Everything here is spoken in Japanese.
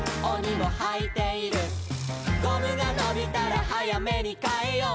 「ゴムがのびたらはやめにかえよう」